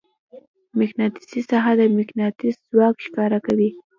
مقناطیسي ساحه د مقناطیس ځواک ښکاره کوي.